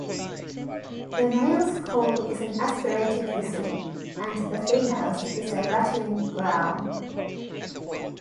The male's call is an aspirated whistle, and the female's is a rattling growl.